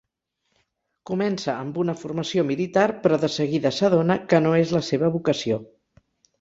Comença amb una formació militar però de seguida s’adona que no és la seva vocació.